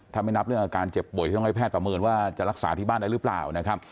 ถ้าไม่นับเรื่องอาการเจ็บป่วยที่ต้องให้แพทย์ประเมินว่าจะรักษาที่บ้านได้หรือเปล่านะครับ